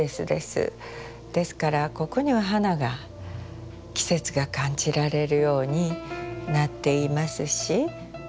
ですからここには花が季節が感じられるようになっていますし。